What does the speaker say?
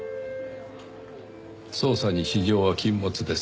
捜査に私情は禁物です。